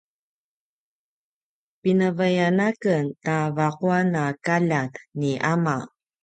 pinavayan a ken ta vaquan a kaljat ni ama